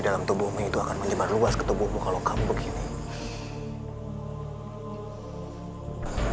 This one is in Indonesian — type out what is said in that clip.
dalam tubuhmu itu akan menyebar luas ketubuhmu kalau kamu begini kalau begitu tujukan dimana